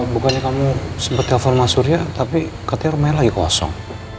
bukannya kamu sempat telepon sama surya tapi katanya rumahnya lagi kosong